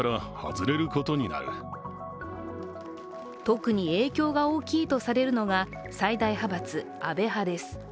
特に影響が大きいとされるのが最大派閥・安倍派です。